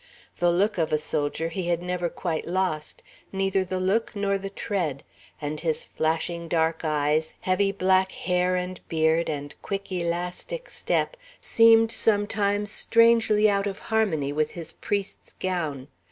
The look of a soldier he had never quite lost, neither the look nor the tread; and his flashing dark eyes, heavy black hair and beard, and quick elastic step, seemed sometimes strangely out of harmony with his priest's gown.